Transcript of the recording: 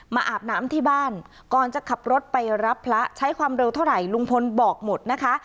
อาบน้ำที่บ้านก่อนจะขับรถไปรับพระใช้ความเร็วเท่าไหร่ลุงพลบอกหมดนะคะ